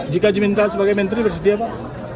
jika diminta sebagai menteri bersedia pak